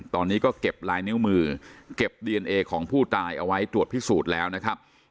ตอนนี้ก็เก็บลายนิ้วมือเก็บดีเอนเอของผู้ตายเอาไว้ตรวจพิสูจน์แล้วนะครับ